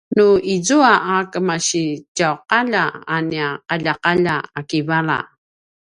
nu izua a kemasitju’alja a nia ’alja’alja a kivala